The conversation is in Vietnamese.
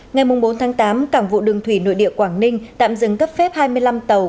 ngày bốn tháng tám cảng vụ đường thủy nội địa quảng ninh tạm dừng cấp phép hai mươi năm tàu